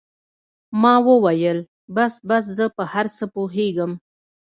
ما وويل بس بس زه په هر څه پوهېږم.